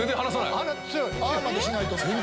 ああまでしないと。